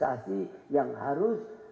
satu organisasi yang harus